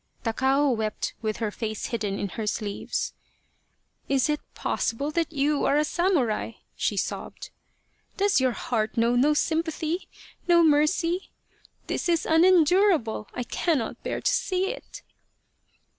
Takao wept with her face hidden in her sleeves. " Is it possible that you are a samurai ?" she sobbed. 44 The Quest of the Sword " Does your heart know no sympathy no mercy ? This is unendurable ! I cannot bear to see it